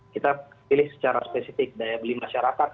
kita pilih secara spesifik daya beli masyarakat